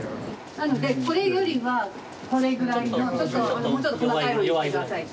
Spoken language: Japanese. なのでこれよりはこれぐらいのちょっともうちょっと細かい方にして下さいって。